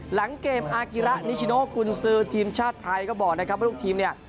หลังเกมอากิระนิชโนกุญซือทีมชาติไทยก็บอกนะครับว่าลูกทีมเนี่ย